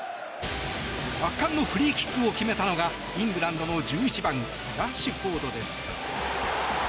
圧巻のフリーキックを決めたのがイングランドの１１番ラッシュフォードです。